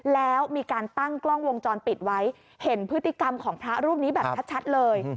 แล้วมีการตั้งกล้องวงจรปิดไว้เห็นพฤติกรรมของพระรูปนี้แบบชัดเลย